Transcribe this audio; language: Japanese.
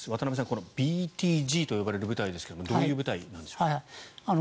このＢＴＧと呼ばれる部隊ですがどういう部隊なんでしょうか？